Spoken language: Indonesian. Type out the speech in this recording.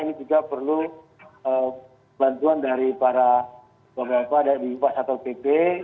ini juga perlu bantuan dari para bapak bapak dari bipa satu pp